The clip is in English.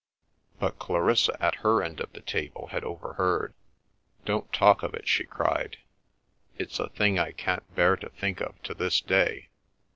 But Clarissa at her end of the table had overheard. "Don't talk of it!" she cried. "It's a thing I can't bear to think of to this day."